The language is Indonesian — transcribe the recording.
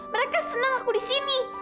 mereka senang aku di sini